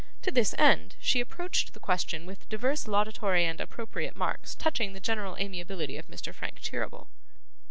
To this end, she approached the question with divers laudatory and appropriate remarks touching the general amiability of Mr. Frank Cheeryble.